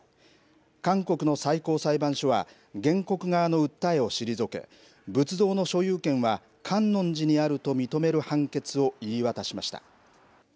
韓国の最高裁判所は原告側の訴えを退け仏像の所有権は観音寺にあると認める判決を言い渡しました。